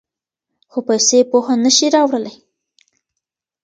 خو پیسې پوهه نه شي راوړلی.